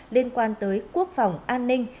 liên quan tới quốc phòng an ninh